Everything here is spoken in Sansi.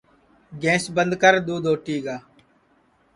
گیںٚس بند کر دؔودھ اوٹی گا